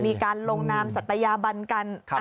มีการลงนามสัตยาบันกัน